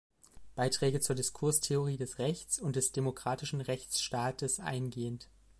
Beiträge zur Diskurstheorie des Rechts und des demokratischen Rechtsstaates" eingehend.